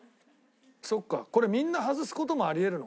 そっかこれみんな外す事もありえるのか。